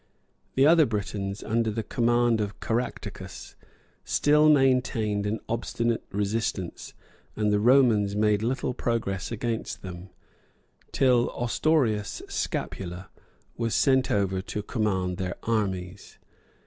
The other Britons, under the command of Caractacus, still maintained an obstinate resistance, and the Romans made little progress against them; till Ostorius Scapula was sent over to command their armies.